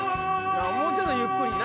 もうちょっとゆっくりな